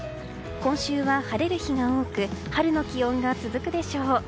今週は晴れる日が多く春の気温が続くでしょう。